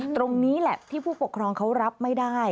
ตรงนี้แหละที่ผู้ปกครองเขารับไม่ได้